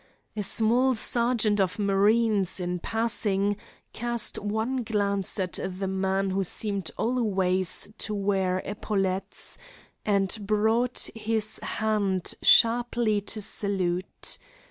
A smart sergeant of marines, in passing, cast one glance at the man who seemed always to wear epaulets, and brought his hand sharply to salute.